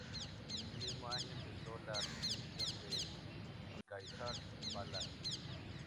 Ese mismo año empezó la construcción del Caesars Palace.